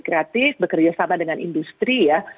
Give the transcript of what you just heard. kreatif bekerja sama dengan industri ya